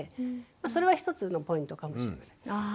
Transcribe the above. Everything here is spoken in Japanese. それは一つのポイントかもしれません。